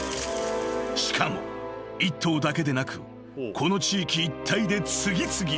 ［しかも１頭だけでなくこの地域一帯で次々と］